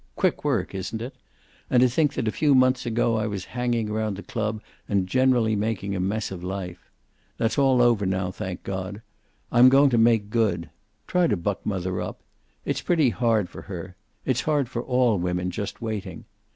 Quick work, isn't it? And to think that a few months ago I was hanging around the club and generally making a mess of life. That's all over now, thank God. I'm going to make good. Try to buck mother up. It's pretty hard for her. It's hard for all women, just waiting.